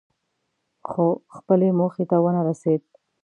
خو خپلې موخې ته ونه رسېد.